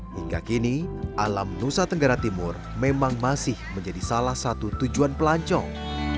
hingga kini alam nusa tenggara timur memang masih menjadi salah satu tujuan pelancong